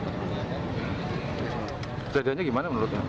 kejadiannya gimana menurutnya